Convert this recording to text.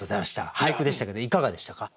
俳句でしたけどいかがでしたか？